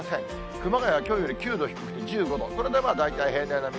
熊谷は、きょうより９度低くて１５度、これで大体平年並み。